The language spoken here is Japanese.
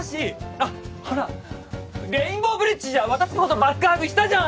あっほらレインボーブリッジじゃ私の事バックハグしたじゃん！